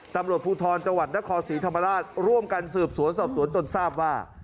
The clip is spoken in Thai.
ตำรวจภูทรจังหวัดนครศรีธรรมราชร่วมกันสืบสวนสอบสวนจนทราบว่า